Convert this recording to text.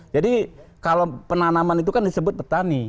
jadi kalau penanaman itu kan disebut petani